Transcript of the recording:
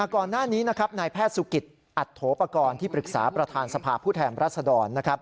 ก่อนหน้านี้นายแพทย์สุกิตอัตโถปกรณ์ที่ปรึกษาประธานสภาพผู้แทนรัศดร